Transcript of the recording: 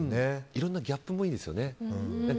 いろんなギャップもいいですよね。